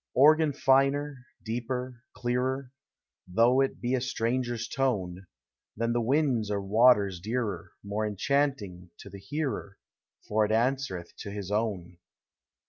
Organ liner, deeper, clearer, Though it be a stranger's tone, — Thau the winds or waters dearer, More enchanting to the hearer, For it answereth to his own.